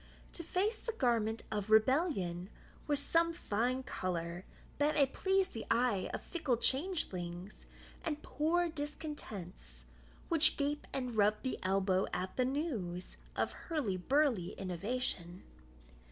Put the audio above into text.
To face the garment of rebellion With some fine colour, that may please the eye Of fickle changelings, and poor discontents, Which gape and rub the elbow at the news Of hurlyburly innovation.